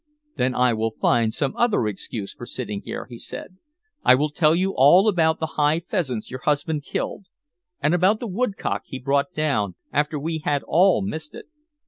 "Then I will find some other excuse for sitting here," he said. "I will tell you all about the high pheasants your husband killed, and about the woodcock he brought down after we had all missed it."